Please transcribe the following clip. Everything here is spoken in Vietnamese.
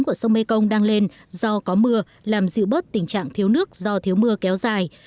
mức nước sông mekong đang lên do có mưa làm giữ bớt tình trạng thiếu nước do thiếu mưa kéo dài